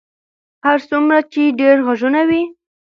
هر څومره چې ډېر غږونه وي.